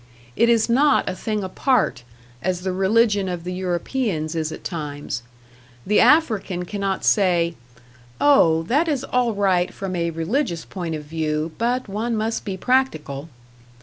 It is not a thing apart, as the religion of the Europeans is at times. The African cannot say, "Oh, that is all right from a religious point of view, but one must be practical."